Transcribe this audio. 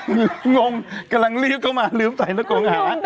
นึงงงนึงงงกำลังรีบเข้ามาลืมใส่นักโกงไห้